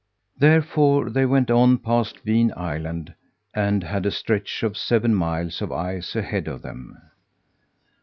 Therefore they went on past Vin Island and had a stretch of seven miles of ice ahead of them.